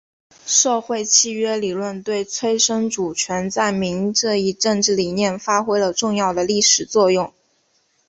社会契约理论对催生主权在民这一政治理念发挥了重要的历史作用。